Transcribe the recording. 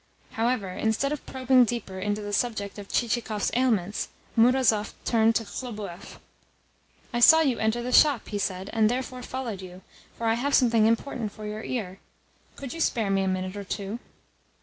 However, instead of probing deeper into the subject of Chichikov's ailments, Murazov turned to Khlobuev. "I saw you enter the shop," he said, "and therefore followed you, for I have something important for your ear. Could you spare me a minute or two?"